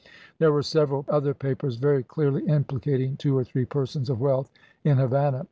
There were several other papers very clearly implicating two or three persons of wealth in Havannah.